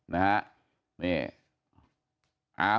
นะฮะ